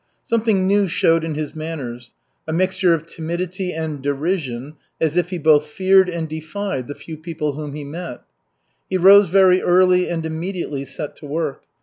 Something new showed in his manners a mixture of timidity and derision, as if he both feared and defied the few people whom he met. He rose very early and immediately set to work.